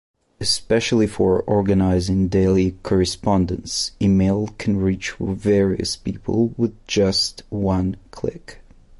Especially for organizing daily correspondence, email can reach various people with just one click.